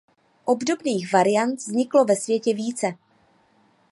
Obdobných variant vzniklo ve světě více.